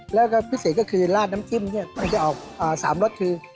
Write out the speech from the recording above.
แล้วก็พิเศษก็คือลาดน้ำจิ้มเนี่ยมันจะออก๓รสคือ